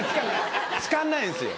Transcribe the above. つかんないですよ。